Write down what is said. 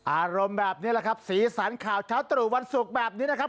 อารมณ์แบบนี้แหละครับสีสันข่าวเช้าตรู่วันศุกร์แบบนี้นะครับ